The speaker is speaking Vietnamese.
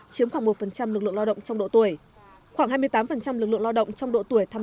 chiếm khoảng một lực lượng lao động trong độ tuổi khoảng hai mươi tám lực lượng lao động trong độ tuổi tham